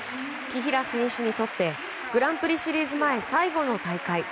紀平選手にとってグランプリシリーズ前最後の大会。